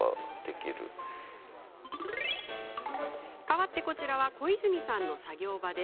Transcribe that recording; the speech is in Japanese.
変わってこちらは小泉さんの作業場。